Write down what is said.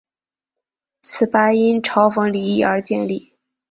此吧因嘲讽李毅而建立。